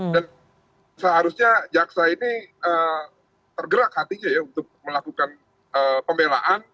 dan seharusnya jaksa ini tergerak hatinya ya untuk melakukan pembelaan